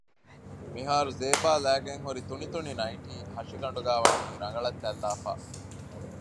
މިހާރު ޒޭބާ ލައިގެންހުރި ތުނިތުނި ނައިޓީ ހަށިގަނޑުގައި ވަނީ ރަނގަޅަށް ތަތްލާފަ